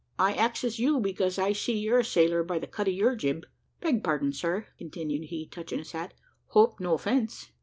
"I axes you, because I see you're a sailor by the cut of your jib. Beg pardon, sir," continued he, touching his hat, "hope no offence."